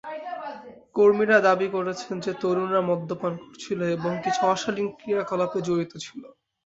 কর্মীরা দাবি করেছেন যে তরুণরা মদ্যপান করছিল এবং "কিছু অশালীন ক্রিয়াকলাপে" জড়িত ছিল।